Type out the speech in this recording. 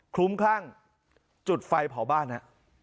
ลุ้มคลั่งจุดไฟเผาบ้านฮะ